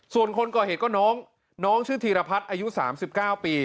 ส่วนคนก่อเหตุก็น้องน้องชื่อธีรพัฒน์อายุ๓๙ปี